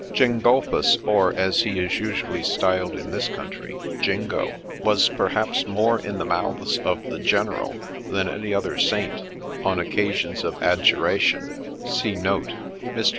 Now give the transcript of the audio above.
Gengulpbus, or, as he is usually styled in this country, 'Jingo,' was perhaps more in the mouths of the ' general ' than any other Saint, on occasions of adjuration (see note, page 136). Mr.